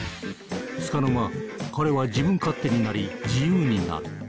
つかの間彼は自分勝手になり自由になる。